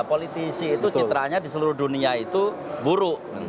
politisi itu citranya di seluruh dunia itu buruk